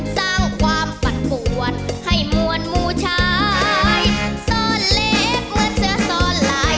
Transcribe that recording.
สร้างความปั่นปวดให้มวลมูชายซ่อนเล็กมาเจอซ่อนลาย